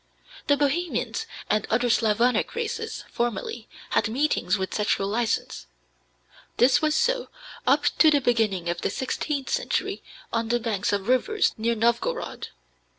The Bohemians and other Slavonic races formerly had meetings with sexual license. This was so up to the beginning of the sixteenth century on the banks of rivers near Novgorod.